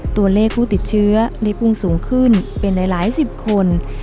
ตัวเลขผู้ติดเชื้อได้พุ่งสูงขึ้นเป็นหลายสิบคน